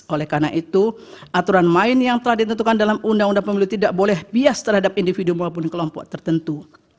oleh karena itu aturan main yang telah ditentukan dalam undang undang pemilu tidak boleh bias terhadap individu maupun kelompok tertentu